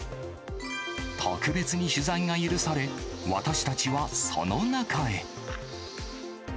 特別に取材が許され、私たちはその中へ。